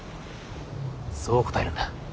そう答えるんだ。